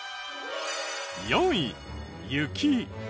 ４位雪。